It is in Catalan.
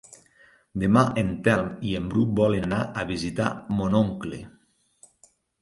Demà en Telm i en Bru volen anar a visitar mon oncle.